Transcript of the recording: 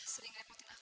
sering ngerepotin aku